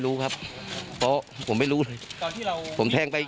ตลอดทั้งคืนตลอดทั้งคืน